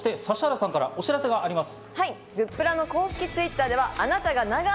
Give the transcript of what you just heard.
そして指原さんからお知らせがあります。